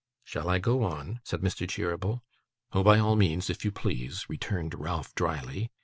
'Shall I go on?' said Mr. Cheeryble. 'Oh, by all means, if you please,' returned Ralph drily.